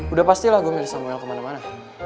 udah pastilah gue milih samuel kemana mana